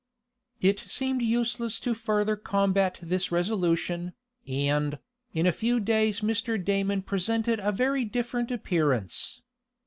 It seemed useless to further combat this resolution, and, in a few days Mr. Damon presented a very different appearance.